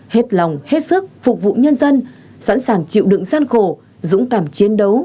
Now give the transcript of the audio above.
hết lòng hết sức phục vụ nhân dân sẵn sàng chịu đựng gian khổ dũng cảm chiến đấu